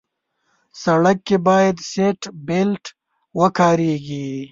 سړک کې باید سیټ بیلټ وکارېږي.